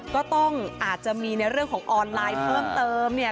ก็ต้องอาจจะมีในเรื่องของออนไลน์เพิ่มเติมเนี่ย